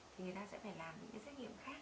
thì người ta sẽ phải làm những cái xét nghiệm khác